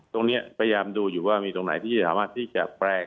ตรงนี้พยายามดูอยู่ว่ามีตรงไหนที่สามารถแปลง